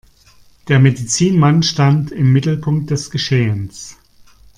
Der Medizinmann stand im Mittelpunkt des Geschehens.